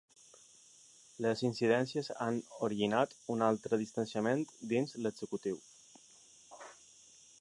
Les incidències han originat un altre distanciament dins l’executiu.